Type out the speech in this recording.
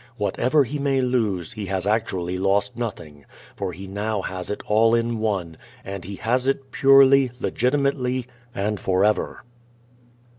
Whatever he may lose he has actually lost nothing, for he now has it all in One, and he has it purely, legitimately and forever.